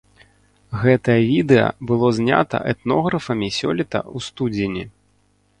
Гэтае відэа было знята этнографамі сёлета ў студзені.